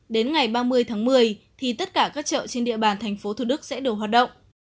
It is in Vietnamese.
đến ngày ba mươi một mươi thì tất cả các chợ trên địa bàn tp thủ đức sẽ được hoạt động